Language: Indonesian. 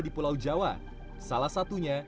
di pulau jawa salah satunya